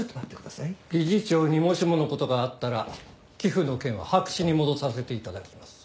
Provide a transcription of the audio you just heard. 理事長にもしもの事があったら寄付の件は白紙に戻させて頂きます。